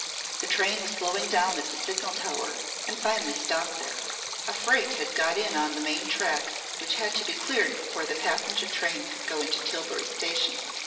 The train was slowing down at the signal tower, and finally stopped there. A freight had got in on the main track which had to be cleared before the passenger train could go into Tillbury station.